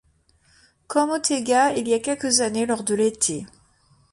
Camp Motega, il y'a quelques années lors de l'été.